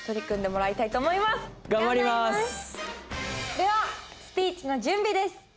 ではスピーチの準備です。